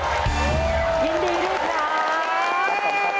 ยินดีด้วยครับ